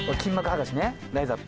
ライザップ。